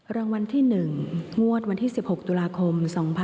รางวัลที่๑งวดวันที่๑๖ตุลาคม๒๕๖๒